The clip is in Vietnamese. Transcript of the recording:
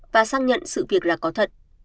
và xác nhận sự việc là có thật